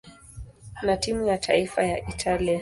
na timu ya taifa ya Italia.